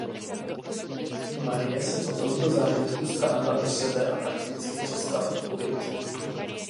Marie se po tomto zážitku stáhla do sebe a prakticky přestala mluvit.